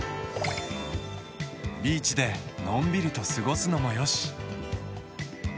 ビーチでのんびりと過ごすのもよし。